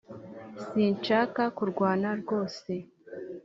sinshaka kurwana ryose